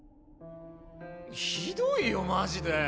ひどいよマジで！